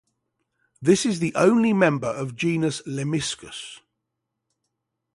This is the only member of genus Lemmiscus.